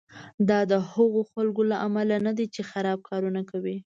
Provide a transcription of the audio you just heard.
دا د هغو خلکو له امله نه ده چې خراب کارونه کوي.